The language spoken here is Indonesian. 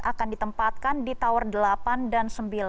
akan ditempatkan di tower delapan dan sembilan